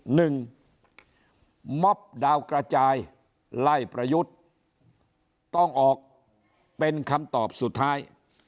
หนึ่งม็อบดาวกระจายไล่ประยุทธ์ต้องออกเป็นคำตอบสุดท้าย